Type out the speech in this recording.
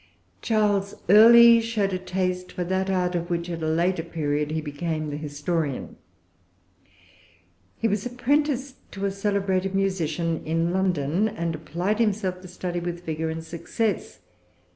Charles early showed a taste for that art, of which, at a later period, he became the historian. He was apprenticed to a celebrated musician in London, and applied himself to study with vigor and success.